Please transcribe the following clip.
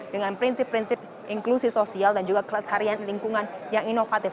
dengan prinsip prinsip inklusi sosial dan juga kelas harian lingkungan yang inovatif